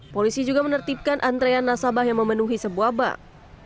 polisi juga menertibkan antrean nasabah yang memenuhi sebuah bank